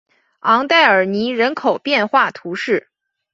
昂代尔尼人口变化图示